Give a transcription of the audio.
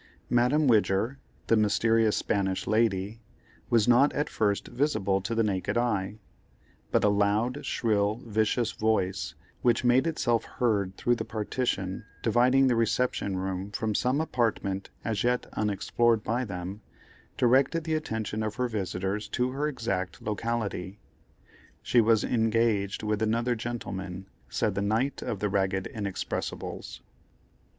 Madame Widger, the "Mysterious Spanish Lady," was not at first visible to the naked eye, but a loud, shrill, vicious voice, which made itself heard through the partition dividing the reception room from some apartment as yet unexplored by them, directed the attention of her visitors to her exact locality. She was "engaged" with another gentleman, said the knight of the ragged inexpressibles.